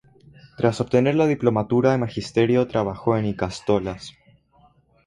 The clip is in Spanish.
Tras obtener la diplomatura en magisterio trabajó en ikastolas.